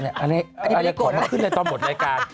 อันนี้ไม่ได้กดมาขึ้นเลยตอนหมดรายการ